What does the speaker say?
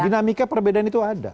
dinamika perbedaan itu ada